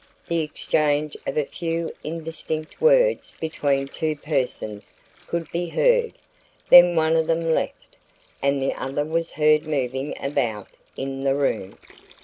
The exchange of a few indistinct words between two persons could be heard; then one of them left, and the other was heard moving about in the room.